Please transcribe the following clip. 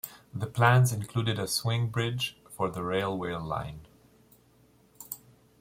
The plans included a swing bridge for the railway line.